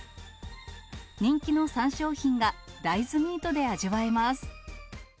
人気の３商品が大豆ミートで味わえます。